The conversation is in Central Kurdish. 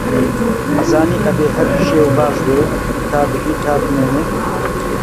ئەزانێ ئەبێ هەر بژێ و باژوێ، تا بژی تا بمێنێ